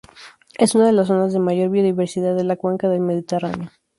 Es una de las zonas de mayor biodiversidad de la cuenca del Mediterráneo.